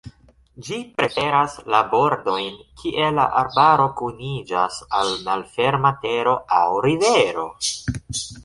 Ĝi preferas la bordojn kie la arbaro kuniĝas al malferma tero aŭ rivero.